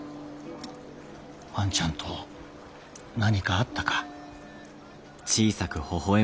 万ちゃんと何かあったか？